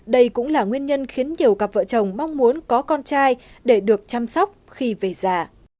đây cũng là nguyên nhân khiến nhiều cặp vợ chồng mong muốn có con trai để được chăm sóc khi về già